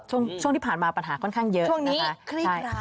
ช่วงช่วงที่ผ่านมาปัญหาค่อนข้างเยอะนะคะช่วงนี้คลิปราย